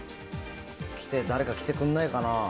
誰か来てくれないかな。